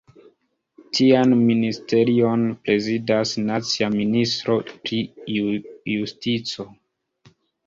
Tian ministerion prezidas nacia ministro pri justico.